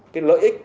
cái lợi ích